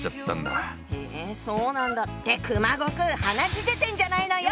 へそうなんだって熊悟空鼻血出てんじゃないのよ！